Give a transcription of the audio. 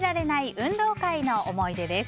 運動会の思い出です。